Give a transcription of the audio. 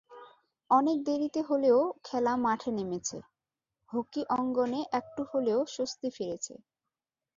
অনেক দেরিতে হলেও খেলা মাঠে নেমেছে, হকি অঙ্গনে একটু হলেও স্বস্তি ফিরেছে।